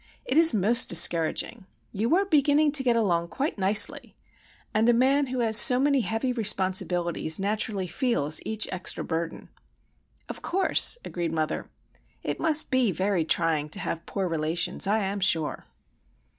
"It is most discouraging. You were beginning to get along quite nicely;—and a man who has so many heavy responsibilities naturally feels each extra burden." "Of course," agreed mother. "It must be very trying to have poor relations, I am sure."